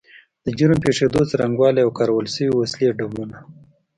د جرم پیښېدو څرنګوالی او کارول شوې وسلې ډولونه